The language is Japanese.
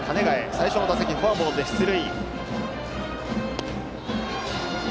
最初の打席はフォアボールで出塁。